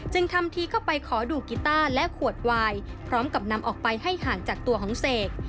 ทำทีเข้าไปขอดูกีต้าและขวดวายพร้อมกับนำออกไปให้ห่างจากตัวของเสก